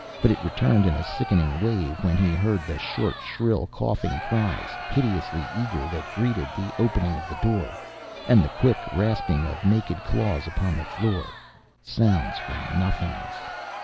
But it returned in a sickening wave when he heard the short, shrill, coughing cries, hideously eager, that greeted the opening of the door. And the quick rasping of naked claws upon the floor. _Sounds from nothingness!